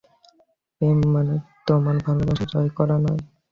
প্রেম মানে তোমার ভালবাসা, জয় করা নয়।